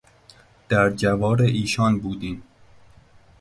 در جوار ایشان بودیم